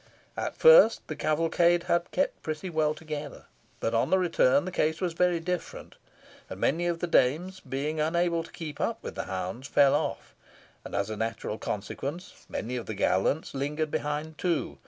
At first the cavalcade had kept pretty well together, but on the return the case was very different; and many of the dames, being unable to keep up with the hounds, fell off, and, as a natural consequence, many of the gallants lingered behind, too.